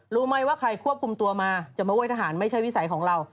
รู้ไหมว่าใครควบคุมตัวมาจะมาห้วยทหารไม่ใช่วิสัยของเรา